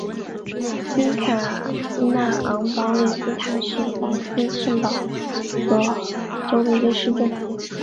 新卡纳昂保利斯塔是巴西圣保罗州的一个市镇。